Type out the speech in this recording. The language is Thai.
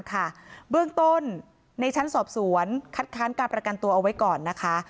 เบื้องต้นในชั้นสอบสวนคัดค้านการประกันตัวเอาไว้ก่อนนะคะ